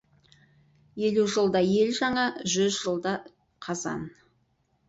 Елу жылда ел жаңа, жүз жылда қазан.